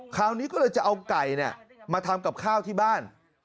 คราวนี้ก็เลยจะเอาไก่มาทำกับข้าวที่บ้าน